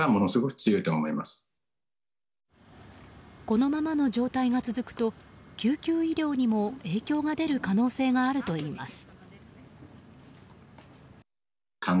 このままの状態が続くと救急医療にも影響が出る可能性があるといいます。